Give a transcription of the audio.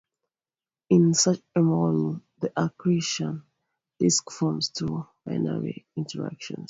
In such a model, the accretion disk forms through binary interactions.